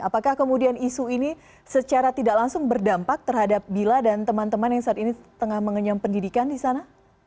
apakah kemudian isu ini secara tidak langsung berdampak terhadap bila dan teman teman yang saat ini tengah mengenyam pendidikan di sana